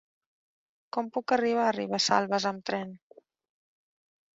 Com puc arribar a Ribesalbes amb tren?